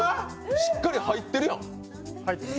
しっかり入ってるやん！